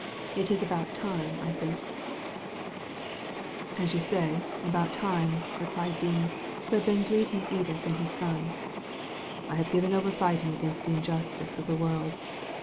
Tt is about time, I think/' •* As you say, about time," replied Dean, who had been greeting Edith and his son^ I have given over fighting against the injustice of the world.